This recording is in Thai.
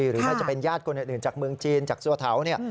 หรือไม่จะเป็นญาติคนอื่นจากเมืองจีนจากสัวเถาเนี่ย